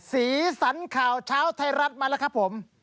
สีสันข่าวเช้าไทยรัฐมาแล้วครับผม